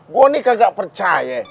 gue ini kagak percaya